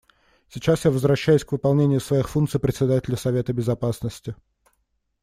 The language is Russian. Сейчас я возвращаюсь к выполнению своих функций Председателя Совета Безопасности.